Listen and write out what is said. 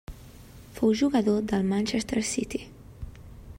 Fou jugador del Manchester City.